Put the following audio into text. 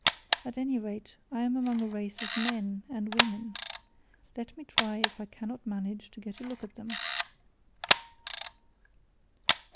At any rate I am among a race of men and women. Let me try if I cannot manage to get a look at them."